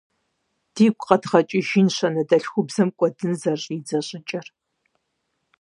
Дигу къэдгъэкӏыжынщ анэдэлъхубзэм кӏуэдын зэрыщӏидзэ щӏыкӏэр.